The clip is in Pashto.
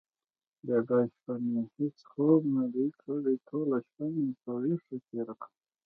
بیګا شپه مې هیڅ خوب ندی کړی. ټوله شپه مې په ویښه تېره کړه.